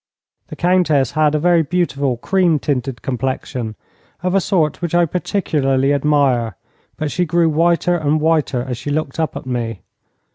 The Countess had a very beautiful, cream tinted complexion of a sort which I particularly admire, but she grew whiter and whiter as she looked up at me.